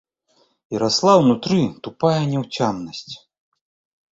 І расла ўнутры тупая няўцямнасць.